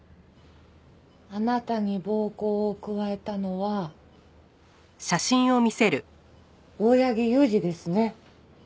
あなたに暴行を加えたのは大八木勇二ですね？